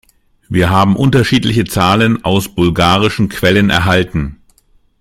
Wir haben unterschiedliche Zahlen aus bulgarischen Quellen erhalten.